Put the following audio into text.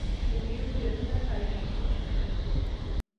د میوو ډډونه قلم کیږي.